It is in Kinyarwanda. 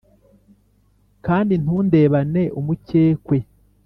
kandi ntundebane umukekwe